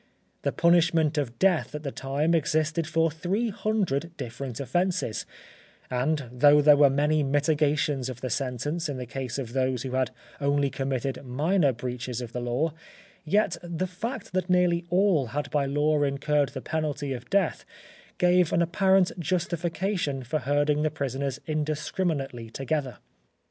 The punishment of death at that time existed for 300 different offences, and though there were many mitigations of the sentence in the case of those who had only committed minor breaches of the law, yet the fact that nearly all had by law incurred the penalty of death, gave an apparent justification for herding the prisoners indiscriminately together.